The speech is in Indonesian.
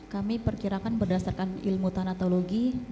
kami perkirakan berdasarkan ilmu tanatologi